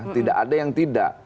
tidak ada yang tidak